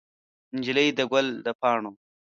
نجلۍ د ګل د پاڼو